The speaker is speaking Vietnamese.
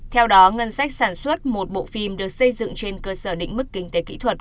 theo đó ngân sách sản xuất một bộ phim được xây dựng trên cơ sở định mức kinh tế kỹ thuật